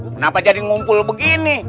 kenapa jadi ngumpul begini